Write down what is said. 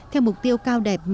theo mục tiêu cao đẹp